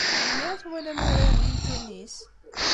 Melmi i twalam urar-nni n tennis?